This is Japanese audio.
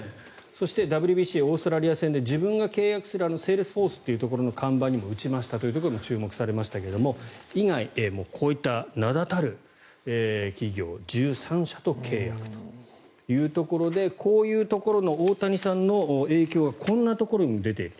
そしてＷＢＣオーストラリア戦で自分が契約するセールスフォースというところの看板にも打ちましたというところで注目されましたが以外にもこういった名だたる企業１３社と契約というところでこういうところの大谷さんの影響がこんなところにも出ている。